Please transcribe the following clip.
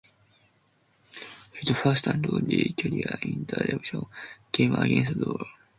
His first and only career interception came against Iowa.